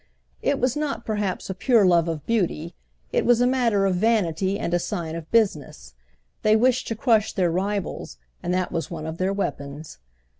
It was not perhaps a pure love of beauty: it was a matter of vanity and a sign of business; they wished to crush their rivals, and that was one of their weapons.